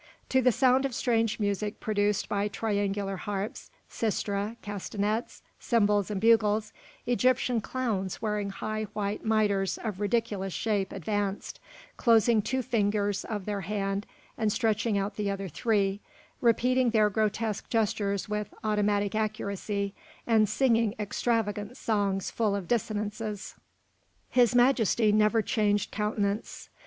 To the sound of strange music produced by triangular harps, sistra, castanets, cymbals, and bugles, Egyptian clowns wearing high, white mitres of ridiculous shape advanced, closing two fingers of their hand and stretching out the other three, repeating their grotesque gestures with automatic accuracy, and singing extravagant songs full of dissonances. His Majesty never changed countenance.